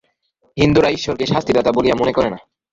হিন্দুরা ঈশ্বরকে শাস্তিদাতা বলিয়া মনে করে না।